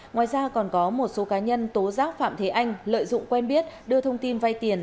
ngoài ra còn có một số cá nhân tố giác phạm thế anh lợi dụng quen biết đưa thông tin vay tiền